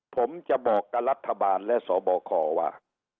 ผมจะบอกกับรัฐบาลและสบคว่า